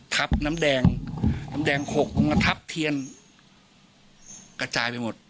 ทับน้ำแดงน้ำแดงขกมาทับเทียนกระจายไปหมด